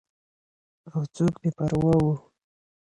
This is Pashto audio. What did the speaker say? او څوک بې پروا وو.